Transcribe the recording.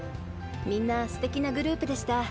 みんなステキなグループでした。